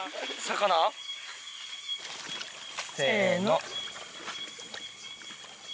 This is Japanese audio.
せの。